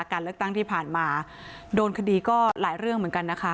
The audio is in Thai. การเลือกตั้งที่ผ่านมาโดนคดีก็หลายเรื่องเหมือนกันนะคะ